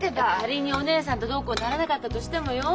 仮にお義姉さんとどうこうならなかったとしてもよ